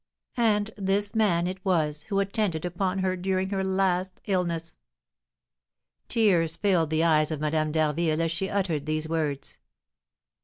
And this man it was who attended upon her during her last illness." Tears filled the eyes of Madame d'Harville as she uttered these words.